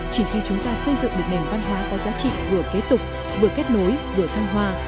chỉ khi chúng ta xây dựng được nền văn hóa có giá trị vừa kế tục vừa kết nối vừa thăng hoa